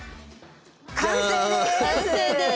完成です。